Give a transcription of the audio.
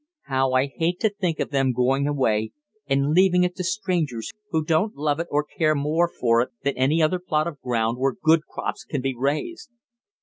How I hate to think of them going away and leaving it to strangers who don't love it or care more for it than any other plot of ground where good crops can be raised!